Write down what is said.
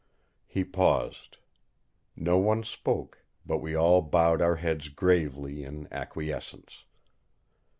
He paused. No one spoke, but we all bowed our heads gravely in acquiescence.